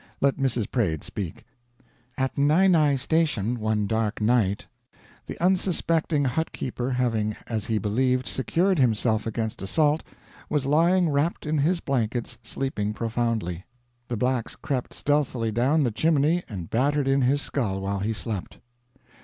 Let Mrs. Praed speak: "At Nie Nie station, one dark night, the unsuspecting hut keeper, having, as he believed, secured himself against assault, was lying wrapped in his blankets sleeping profoundly. The Blacks crept stealthily down the chimney and battered in his skull while he slept."